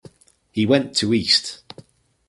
He went to East.